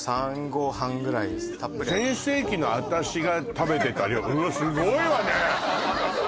たっぷり入って全盛期の私が食べてた量うわっすごいわね